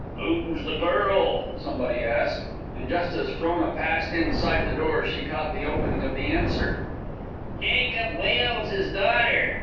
"Who's the girl?" somebody asked. And just as Frona passed inside the door she caught the opening of the answer: "Jacob Welse's daughter.